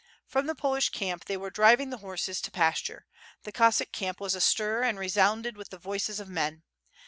From the Polish camp they were driving the horses to pas ture; the Cossack camp was astir and resounded with the voices of men.